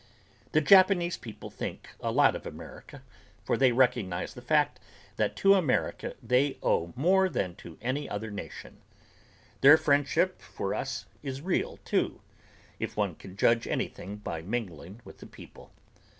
The Japanese people think a lot of America for they recognize the fact that to America they owe more than to any other nation. Their friendship for us is real too, if one can judge anything by mingling with the people.